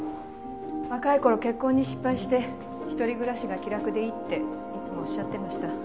若い頃結婚に失敗して一人暮らしが気楽でいいっていつもおっしゃってました。